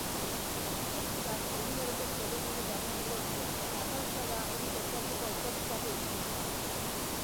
Musikak eguneroko zereginei lagunduko die eta dantza da hori kontatzeko hautatutako hizkuntza.